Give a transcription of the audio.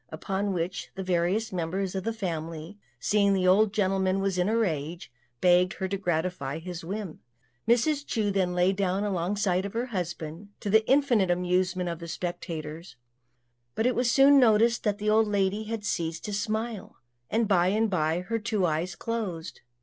upon which the various members of the family, seeing the old gentleman was in a rage, begged her to gratify his whim. Mrs. Chu then lay down alongside of her husband, to the infinite amusement of the spectators; but it was soon noticed that the old lady had ceased to smile, and by and by her two eyes closed.